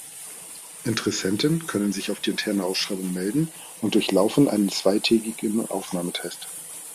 Interessenten können sich auf die interne Ausschreibung melden und durchlaufen einen zweitägigen Aufnahmetest.